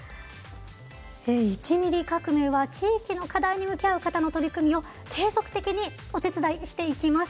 「１ミリ革命」は地域の課題に向き合う方の取り組みを継続的にお手伝いしていきます。